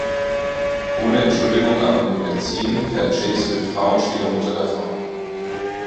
Ohne Entschuldigung aber mit Benzin fährt Chase mit Frau und Schwiegermutter davon.